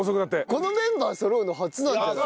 このメンバーそろうの初なんじゃない？